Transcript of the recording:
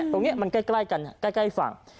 ตรงนี้มันใกล้กันใกล้ฝั่ง